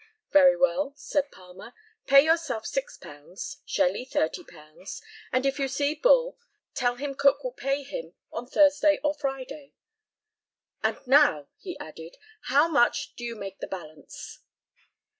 "Very well," said Palmer, "pay yourself £6, Shelly, £30, and if you see Bull, tell him Cook will pay him on Thursday or Friday. And now," he added, "how much do you make the balance?"